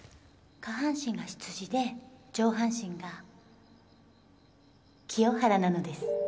下半身が羊で上半身が清原なのです。